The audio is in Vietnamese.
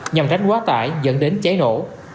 nhằm ránh quá tải dẫn đến cháy nổ